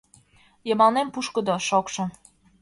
Йымалнем пушкыдо, шокшо.